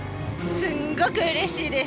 すんごくうれしいです。